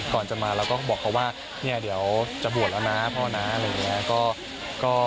ก่อนจะมาเราก็บอกเขาว่าเนี่ยเดี๋ยวจะบวชแล้วนะพ่อนะอะไรอย่างนี้